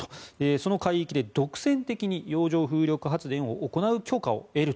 その海域で独占的に洋上風力発電を行う許可を得る。